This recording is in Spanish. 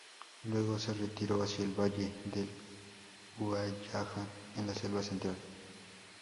Luego se retiró hacia el valle del Huallaga en la Selva Central.